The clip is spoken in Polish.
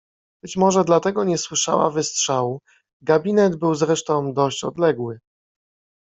"Być może dlatego nie słyszała wystrzału, gabinet był zresztą dość odległy."